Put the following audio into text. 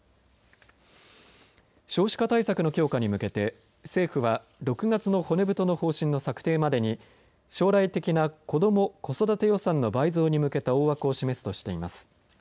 少子化対策の強化に向けて政府は６月の骨太の方針の策定までに将来的な子ども・子育て予算の倍増に向けた大枠を示すとしています。